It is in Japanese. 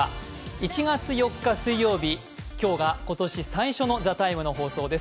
１月４日水曜日、今日が今年最初の「ＴＨＥＴＩＭＥ，」の放送です。